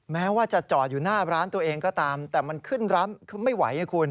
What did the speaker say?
แม้ว่าจะจอดอยู่หน้าร้านตัวเองก็ตามแต่มันขึ้นร้านไม่ไหวไงคุณ